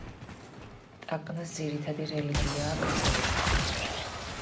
ტაკნას ძირითადი რელიგიაა კათოლიციზმი.